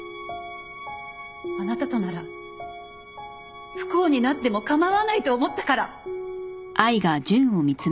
あなたとなら不幸になっても構わないと思ったから。